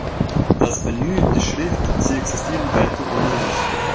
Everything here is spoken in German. Das Menü, die Schrift, sie existieren weiter ohne mich“.